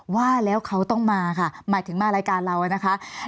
ว่าแล้วเขาต้องมาค่ะหมายถึงมารายการเรานะคะ